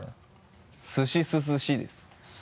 「すしすすし」です。